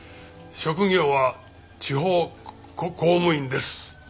職業は地方公務員です。